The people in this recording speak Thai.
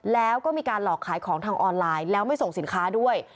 แล้วก็มีการหลอกขายของทางออนไลน์แล้วไม่ส่งสินค้าด้วย